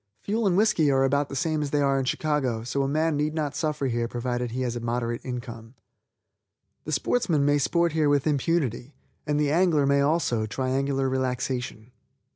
Fuel and whiskey are about the same that they are in Chicago, so a man need not suffer here provided he has a moderate income. The sportsman may sport here with impunity, and the angler may also triangular relaxation.